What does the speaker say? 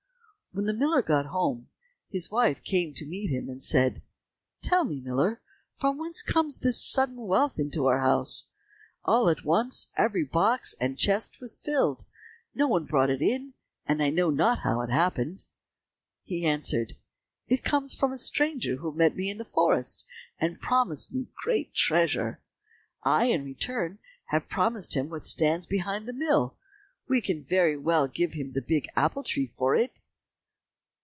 When the miller got home, his wife came to meet him and said, "Tell me, miller, from whence comes this sudden wealth into our house? All at once every box and chest was filled; no one brought it in, and I know not how it happened." He answered, "It comes from a stranger who met me in the forest, and promised me great treasure. I, in return, have promised him what stands behind the mill; we can very well give him the big apple tree for it."